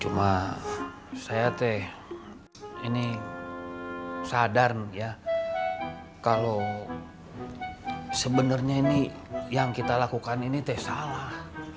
cuma saya teh ini sadar ya kalau sebenarnya ini yang kita lakukan ini teh salah